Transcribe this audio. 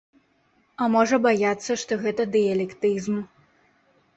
А можа баяцца, што гэта дыялектызм.